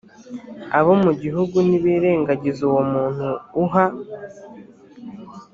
abo mu gihugu nibirengagiza uwo muntu uha